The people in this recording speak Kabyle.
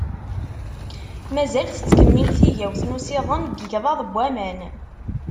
Mazal tettkemmil tigawt n usiḍen n yigḍaḍ n waman.